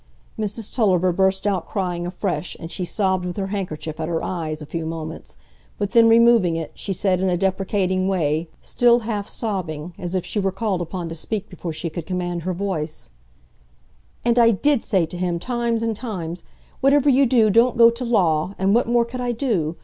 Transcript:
Mrs Tulliver burst out crying afresh, and she sobbed with her handkerchief at her eyes a few moments, but then removing it, she said in a deprecating way, still half sobbing, as if she were called upon to speak before she could command her voice,— "And I did say to him times and times, 'Whativer you do, don't go to law,' and what more could I do?